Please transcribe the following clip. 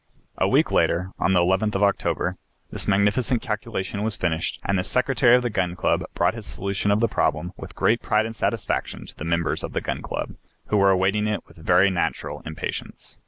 A week later, on the 11th of October, this magnificent calculation was finished and the Secretary of the Gun Club brought his solution of the problem with great pride and satisfaction to the members of the Gun Club, who were awaiting it with very natural impatience.